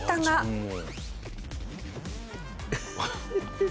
うん。